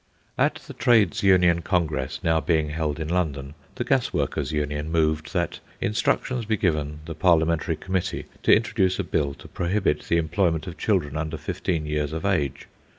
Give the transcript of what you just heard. At the Trades Union Congress now being held in London, the Gasworkers' Union moved that instructions be given the Parliamentary Committee to introduce a Bill to prohibit the employment of children under fifteen years of age.